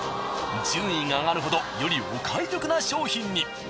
順位が上がるほどよりお買い得な商品に。